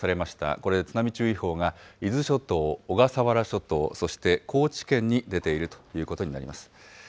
これで津波注意報が伊豆諸島、小笠原諸島、そして高知県に出ているということになります。